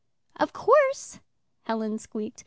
"Of course," Helen squeaked.